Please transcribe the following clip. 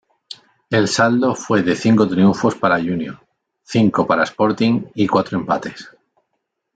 El saldo fue de cinco triunfos para Junior, cinco para Sporting y cuatro empates.